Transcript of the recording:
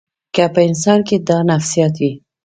که په انسان کې دا نفسیات وي.